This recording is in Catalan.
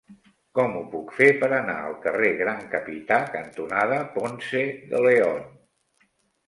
Com ho puc fer per anar al carrer Gran Capità cantonada Ponce de León?